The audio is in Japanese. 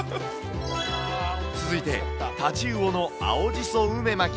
続いて、タチウオの青じそ梅巻き。